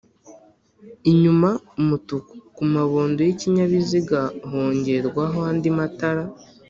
inyuma Umutuku kumabondo y’ikinyabiziga hongerwaho andi matara